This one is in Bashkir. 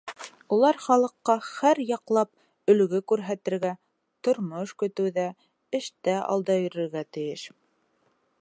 Улар халыҡҡа һәр яҡлап өлгө күрһәтергә, тормош көтөүҙә, эштә алда йөрөргә тейеш.